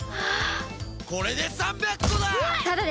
これで３００個だ！